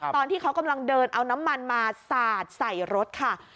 ตอนที่เขากำลังเดินเอาน้ำมันมาสาดใส่รถค่ะ